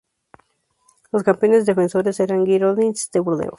Los campeones defensores eran Girondins de Burdeos.